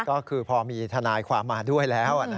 ก็คือพอมีทนายความมาด้วยแล้ว